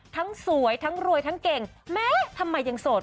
ทั้งสวยทั้งรวยทั้งเก่งแม้ทำไมยังโสด